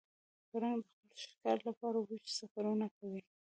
پړانګ د خپل ښکار لپاره اوږده سفرونه کوي.